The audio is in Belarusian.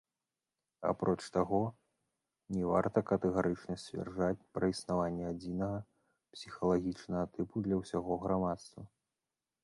Апроч таго, не варта катэгарычна сцвярджаць пра існаванне адзінага псіхалагічнага тыпу для ўсяго грамадства.